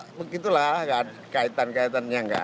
ya begitulah kaitan kaitannya nggak